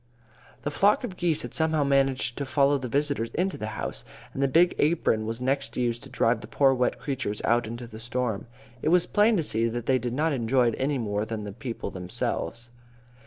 The flock of geese had somehow managed to follow the visitors into the house, and the big apron was next used to drive the poor wet creatures out into the storm. It was plain to see they did not enjoy it any more than the people themselves.